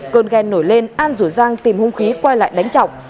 con ghen nổi lên an rủ giang tìm hung khí quay lại đánh trọng